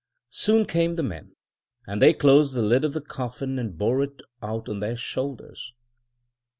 Soon came the men, and they closed the lid of the coffin and bore it out on their shoulders.